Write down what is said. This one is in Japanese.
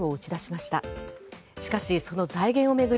しかしその財源を巡り